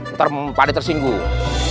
ntar pakde tersinggung